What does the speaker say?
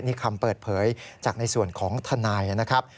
นี่คำเปิดเผยจากในส่วนของทนายนะครับ